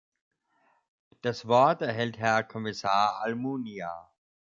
Das Wort erhält Herr Kommissar Almunia.